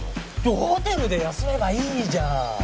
今日ホテルで休めばいいじゃん！